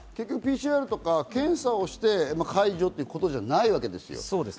ＰＣＲとか検査をして解除ということじゃないわけですよ。